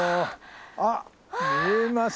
あっ見えます